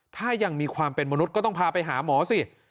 ถ้ายังมีความเป็นมนุษย์ก็ต้องพาไปหาหมอสิ